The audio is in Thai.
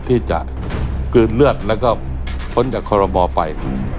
ที่จะกลืนเลือดแล้วก็พ้นจากคอรมอไป